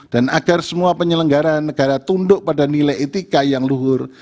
dan agar semua penyelenggara negara tunduk pada nilai etika yang luhur